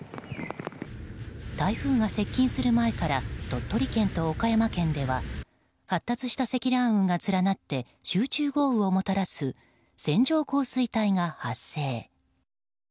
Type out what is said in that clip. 台風が接近する前から鳥取県と岡山県では発達した積乱雲が連なって集中豪雨をもたらす線状降水帯が発生。